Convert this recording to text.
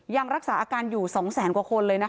ยังรักษาอาการอยู่๒๐๐๐๐๐ประมาณ